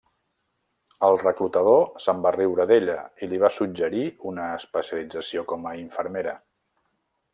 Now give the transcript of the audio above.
El reclutador se'n va riure d'ella i li va suggerir una especialització com a infermera.